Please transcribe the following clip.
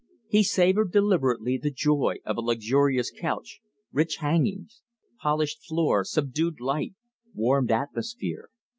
He savored deliberately the joy of a luxurious couch, rich hangings, polished floor, subdued light, warmed atmosphere.